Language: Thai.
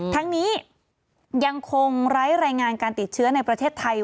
ทั้งนี้ยังคงไร้รายงานการติดเชื้อในประเทศไทย